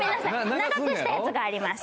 長くしたやつがあります。